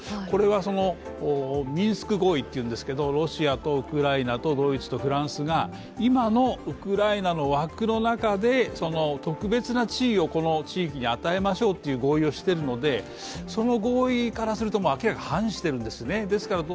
これはミンスク合意というんですけど、ロシアとウクライナとフランスが今のウクライナの枠の中で特別な地位をこの地域に与えましょうとしているのでその合意からすると明らかに反してるんですよね。